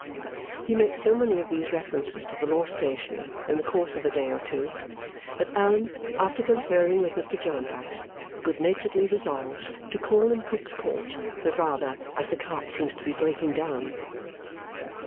He makes so many of these references to the law stationer in the course of a day or two that Allan, after conferring with Mr. Jarndyce, good naturedly resolves to call in Cook's Court, the rather, as the cart seems to be breaking down.